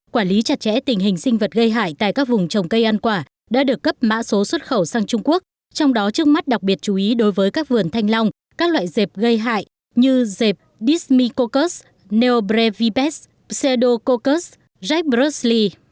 quản lý chặt chẽ tình hình sinh vật gây hại tại các vùng trồng cây ăn quả đã được cấp mã số xuất khẩu sang trung quốc trong đó trước mắt đặc biệt chú ý đối với các vườn thanh long các loại dẹp gây hại như dẹp dismicoccus neobrevibus csedococcus jackbursley